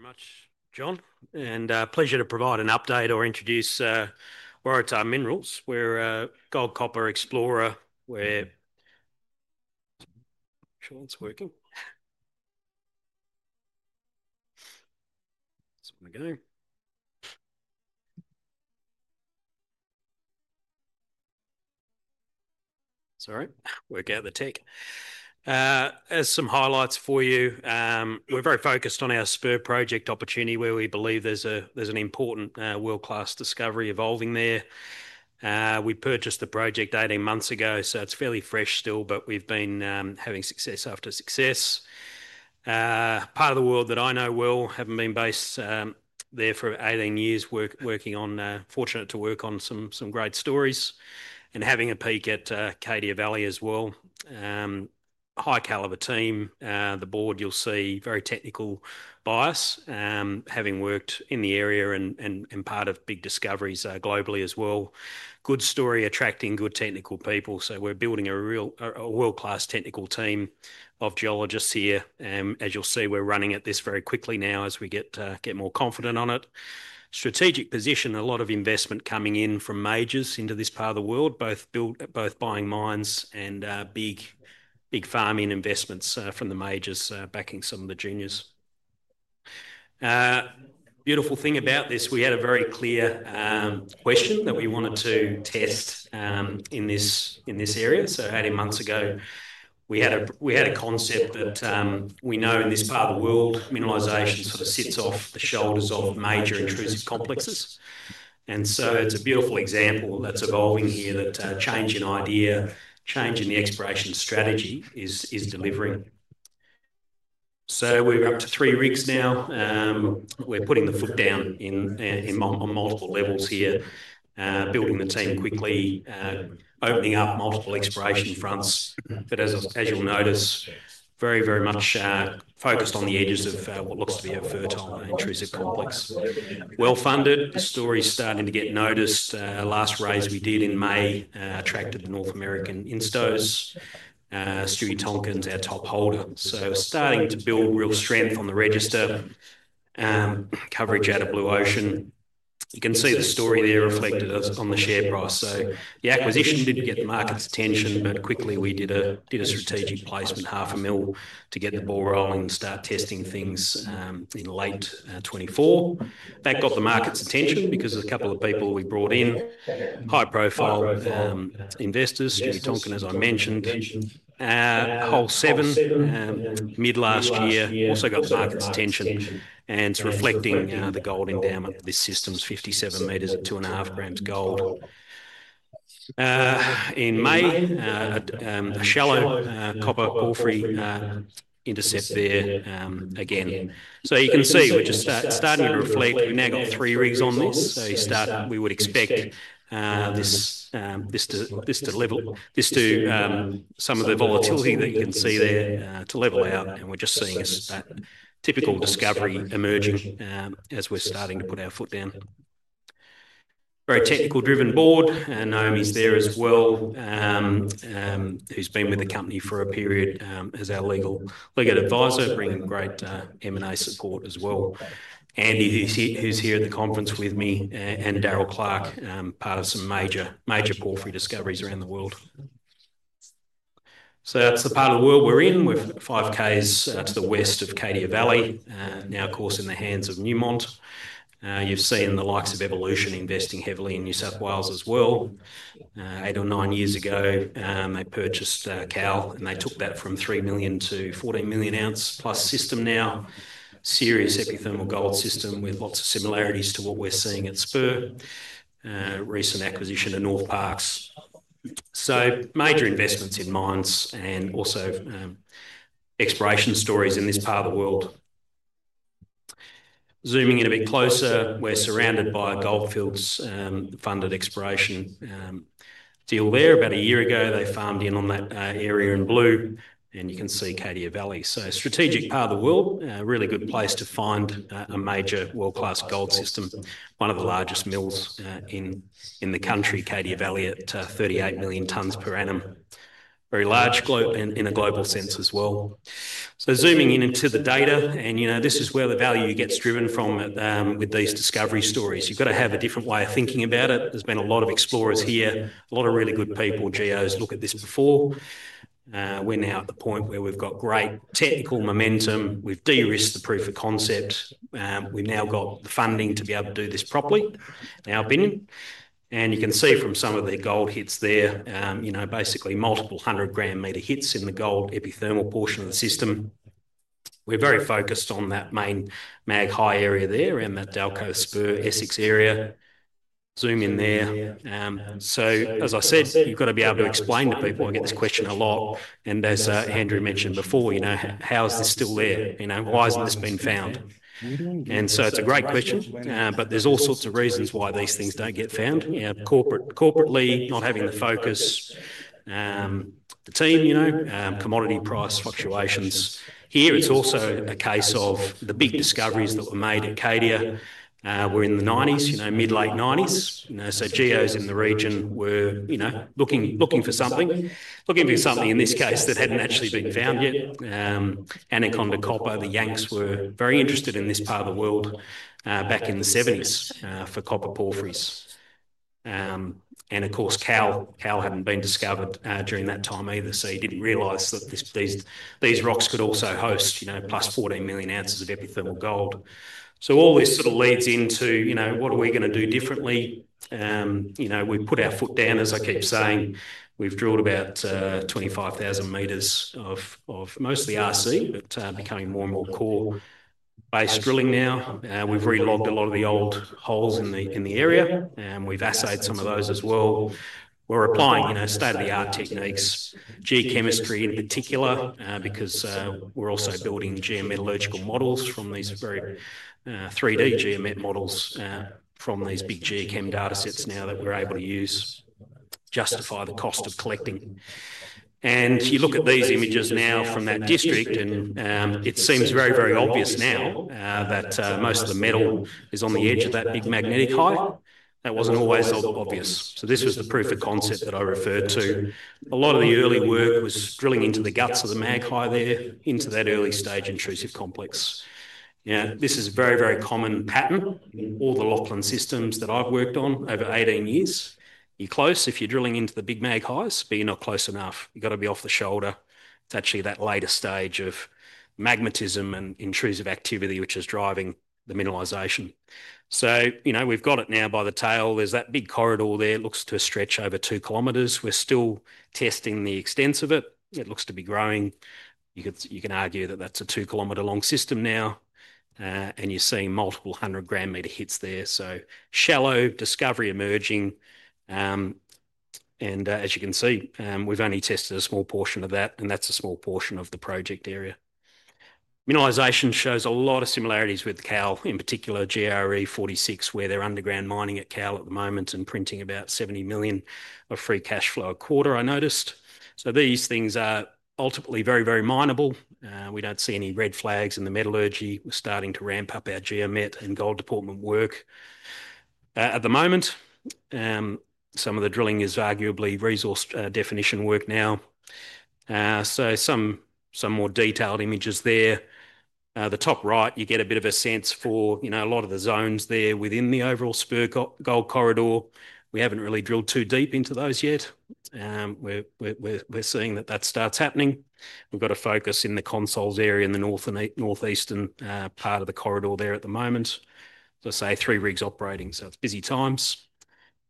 Thanks very much, John, and a pleasure to provide an update or introduce Waratah Minerals. We're a gold copper explorer. We're... John's working. It's not going to work out of the tech. As some highlights for you, we're very focused on our Spur Project opportunity where we believe there's an important world-class discovery evolving there. We purchased the project 18 months ago, so it's fairly fresh still, but we've been having success after success. Part of the world that I know well, having been based there for 18 years, working on, fortunate to work on some great stories and having a peek at Cadia Valley as well. High caliber team, the Board you'll see, very technical bias, having worked in the area and part of big discoveries globally as well. Good story, attracting good technical people. We're building a real world-class technical team of geologists here. As you'll see, we're running at this very quickly now as we get more confident on it. Strategic position, a lot of investment coming in from majors into this part of the world, both buying mines and big farming investments from the majors backing some of the juniors. The beautiful thing about this, we had a very clear question that we wanted to test in this area. 18 months ago, we had a concept that we know in this part of the world, mineralization sort of sits off the shoulders of major intrusive complexes. It's a beautiful example that's evolving here. That change in idea, change in the exploration strategy is delivering. We're up to three RCs now. We're putting the foot down on multiple levels here, building the team quickly, opening up multiple exploration fronts. As you'll notice, very, very much focused on the edges of what looks to be a fertile and intrusive complex. Well-funded, the story is starting to get noticed. Last raise we did in May attracted the North American instos. Stuart Tonkin's our top holder. Starting to build real strength on the register. Coverage out of Blue Ocean. You can see the story there reflected on the share price. The acquisition didn't get the market's attention, but quickly we did a strategic placement, $0.5 million, to get the ball rolling and start testing things in late 2024. That got the market's attention because of a couple of people we brought in, high-profile investors, Stuart Tonkin, as I mentioned. All seven, mid-last year, also got the market's attention. It's reflecting the gold endowment. This system's 57 m at 2.5 g gold. In May, a shallow copper coffee intercept there again. You can see, we're just starting to reflect. We've now got three rigs on this. You start, we would expect this to level, this to some of the volatility that you can see there to level out. We're just seeing a typical discovery emerging as we're starting to put our foot down. Very technical-driven Board. Naomi's there as well, who's been with the company for a period as our Legal Advisor, bringing great M&A support as well. Andy, who's here at the conference with me, and Darryl Clark, part of some major porphyry discoveries around the world. That's the part of the world we're in. We're 5 km to the West of Cadia Valley, now of course in the hands of Newmont. You've seen the likes of Evolution investing heavily in New South Wales as well. Eight or nine years ago, they purchased Cowal, and they took that from 3 million to 14 million ounce plus system now. Serious epithermal gold system with lots of similarities to what we're seeing at Spur. Recent acquisition to Northparkes. Major investments in mines and also exploration stories in this part of the world. Zooming in a bit closer, we're surrounded by Gold Fields funded exploration deal there. About a year ago, they farmed in on that area in blue, and you can see Cadia Valley. A strategic part of the world, a really good place to find a major world-class gold system, one of the largest mills in the country, Cadia Valley at 38 million tons per annum. Very large in a global sense as well. Zooming in into the data, and you know this is where the value gets driven from with these discovery stories. You've got to have a different way of thinking about it. There's been a lot of explorers here, a lot of really good people, GOs look at this before. We're now at the point where we've got great technical momentum. We've de-risked the proof of concept. We've now got the funding to be able to do this properly. You can see from some of the gold hits there, basically multiple hundred gram-meter hits in the gold epithermal portion of the system. We're very focused on that main mag high area there and that Dalcoath Spur Essex area. Zoom in there. As I said, you've got to be able to explain to people. I get this question a lot. As Andrew mentioned before, you know, how is this still there? Why hasn't this been found? It's a great question, but there's all sorts of reasons why these things don't get found. Corporately, not having the focus. The team, commodity price fluctuations. Here it's also a case of the big discoveries that were made at Cadia. We're in the 1990s, you know, mid-late 1990s. GOs in the region were, you know, looking for something, looking for something in this case that hadn't actually been found yet. Anaconda Copper, the [Yanks] were very interested in this part of the world back in the 1970s for copper porphyries. Of course, Cowal hadn't been discovered during that time either. He didn't realize that these rocks could also host, you know, +14 million ounces of epithermal gold. All this sort of leads into, you know, what are we going to do differently? We put our foot down, as I keep saying. We've drilled about 25,000 m of mostly RC, but becoming more and more core-based drilling now. We've relogged a lot of the old holes in the area. We've assayed some of those as well. We're applying, you know, state-of-the-art techniques, geochemistry in particular, because we're also building geometallurgical models from these very 3D geometric models from these big geochem datasets now that we're able to use, justify the cost of collecting. You look at these images now from that district, and it seems very, very obvious now that most of the metal is on the edge of that big magnetic high. That wasn't always obvious. This was the proof of concept that I referred to. A lot of the early work was drilling into the guts of the mag high there, into that early stage intrusive complex. This is a very, very common pattern in all the Lachlan systems that I've worked on over 18 years. You're close if you're drilling into the big mag highs, but you're not close enough. You've got to be off the shoulder. It's actually that later stage of magmatism and intrusive activity, which is driving the mineralization. We've got it now by the tail. There's that big corridor there. It looks to stretch over 2 km. We're still testing the extents of it. It looks to be growing. You can argue that that's a 2 km long system now. You're seeing multiple hundred gram-meter gold hits there. Shallow discovery emerging. As you can see, we've only tested a small portion of that, and that's a small portion of the project area. Mineralization shows a lot of similarities with Cowal, in particular GRE46, where they're underground mining at Cowal at the moment and printing about $70 million of free cash flow a quarter, I noticed. These things are ultimately very, very minable. We don't see any red flags in the metallurgy. We're starting to ramp up our geometallurgical and gold deportment work at the moment. Some of the drilling is arguably resource definition work now. Some more detailed images there. The top right, you get a bit of a sense for, you know, a lot of the zones there within the overall Spur gold corridor. We haven't really drilled too deep into those yet. We're seeing that that starts happening. We've got a focus in the Consols area in the North and Northeastern part of the corridor there at the moment. Let's say three rigs operating, so it's busy times.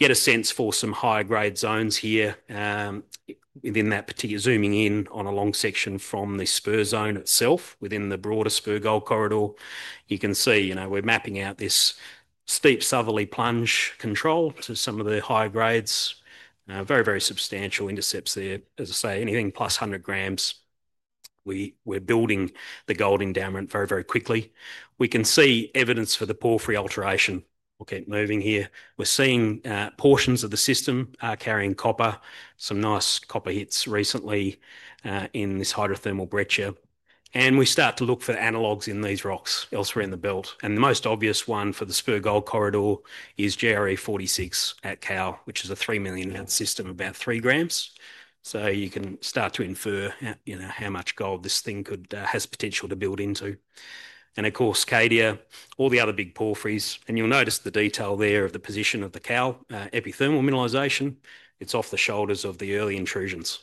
Get a sense for some high-grade zones here within that particular. Zooming in on a long section from the Spur zone itself within the broader Spur gold corridor, you can see, you know, we're mapping out this steep Sutherland Plunge control to some of the high grades. Very, very substantial intercepts there. As I say, anything +100 g. We're building the gold endowment very, very quickly. We can see evidence for the porphyry alteration. We'll keep moving here. We're seeing portions of the system carrying copper, some nice copper hits recently in this hydrothermal breccia. We start to look for analogs in these rocks elsewhere in the belt. The most obvious one for the Spur gold corridor is GRE46 at Cowal, which is a 3 million ounce system of about 3 g. You can start to infer, you know, how much gold this thing could have potential to build into. Of course, Cadia, all the other big porphyries, and you'll notice the detail there of the position of the Cowal epithermal mineralization. It's off the shoulders of the early intrusions.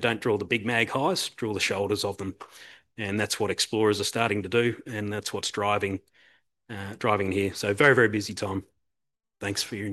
Don't drill the big magnetic highs, drill the shoulders of them. That's what explorers are starting to do, and that's what's driving here. Very, very busy time. Thanks for your.